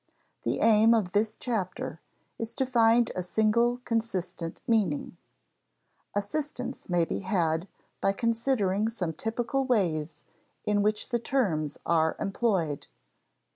The aim of this chapter is to find a single consistent meaning. Assistance may be had by considering some typical ways in which the terms are employed.